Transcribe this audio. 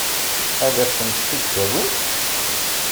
Ad asent-t-id-tawimt?